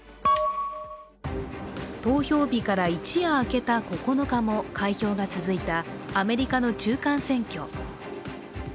投票日から一夜明けた９日も開票が続いたアメリカの中間選挙。